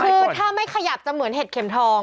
คือถ้าไม่ขยับจะเหมือนเห็ดเข็มทอง